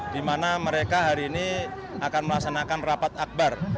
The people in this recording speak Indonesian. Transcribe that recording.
di mana mereka hari ini akan melaksanakan rapat akbar